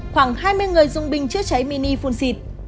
khoảng hai mươi người dung bình chứa cháy mini phun xịt